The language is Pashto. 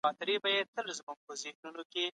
انلاين کورسونه زده کوونکي د موادو مطالعه کول.